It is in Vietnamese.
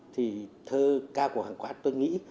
thơ ca của hoàng cát tôi nghĩ